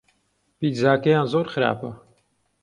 پیتزاکەیان زۆر خراپە.